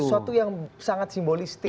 sesuatu yang sangat simbolistik